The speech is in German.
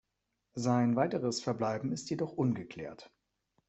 Sein weiteres Verbleiben ist jedoch ungeklärt.